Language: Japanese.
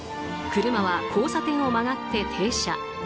車は交差点を曲がって停車。